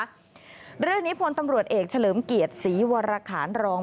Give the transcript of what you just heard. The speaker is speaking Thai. เรื่องนี้พลตำรวจเอกเฉลิมเกียรติศรีวรคารรอง